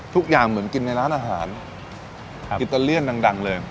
ทุกอย่างเหมือนกินในร้านอาหารอิตาเลี่ยนดังเลย